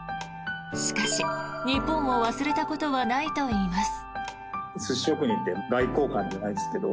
しかし、日本を忘れたことはないといいます。